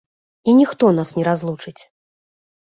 І ніхто нас не разлучыць!